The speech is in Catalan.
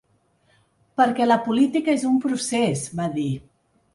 Perquè la política és un procés, va dir.